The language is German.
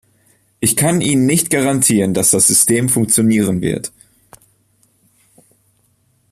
Ich kann Ihnen nicht garantieren, dass das System funktionieren wird.